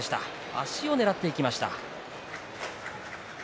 足をねらっていきました。